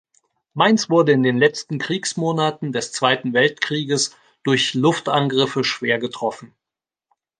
Mainz wurde in den letzten Kriegsmonaten des Zweiten Weltkrieges durch Luftangriffe schwer getroffen.